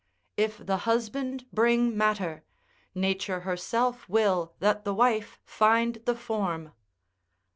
If the husband bring matter, nature herself will that the wife find the form.